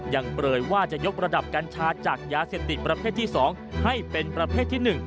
เปลยว่าจะยกระดับกัญชาจากยาเสพติดประเภทที่๒ให้เป็นประเภทที่๑